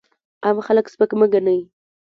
عام خلک سپک مه ګڼئ!